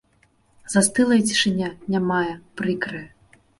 Застылая цішыня, нямая, прыкрая.